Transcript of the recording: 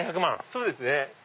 そうですね。